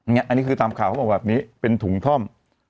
นี่คือตามข่าวเอาแบบนี้เป็นถุงท่อม